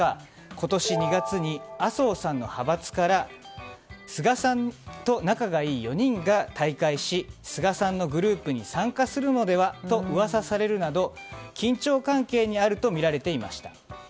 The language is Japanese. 今年２月に麻生さんの派閥から菅さんと仲がいい４人が退会し、菅さんのグループに参加するのではと噂されるなど緊張関係にあるとみられていました。